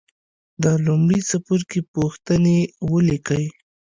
د لومړي څپرکي پوښتنې ولیکئ.